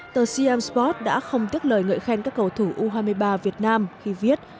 tờ cm sport đã không tiếc lời ngợi khen các cầu thủ u hai mươi ba việt nam khi viết